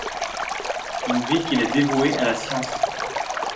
Une vie qu'il a dévoué à la science.